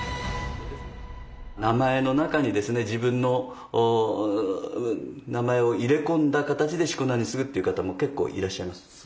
名前の中に自分の名前を入れ込んだ形でしこ名にするっていう方も結構いらっしゃいます。